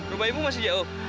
rumah ibu masih jauh